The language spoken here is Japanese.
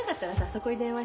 そこへ電話して。